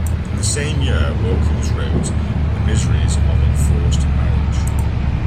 In the same year Wilkins wrote "The Miseries of Enforced Marriage".